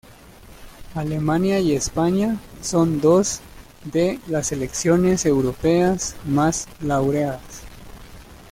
Alemania y España son dos de las selecciones europeas más laureadas.